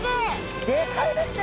でかいですね！